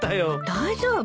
大丈夫？